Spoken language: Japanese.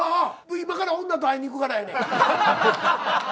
今から女と会いに行くからやねん。